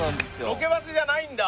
ロケバスじゃないんだ。